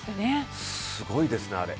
すごいですね、あれ。